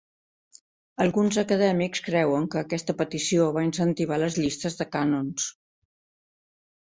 Alguns acadèmics creuen que aquesta petició va incentivar les llistes de cànons.